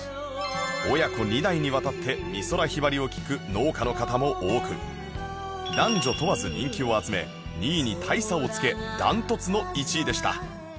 親子２代にわたって美空ひばりを聴く農家の方も多く男女問わず人気を集め２位に大差をつけダントツの１位でした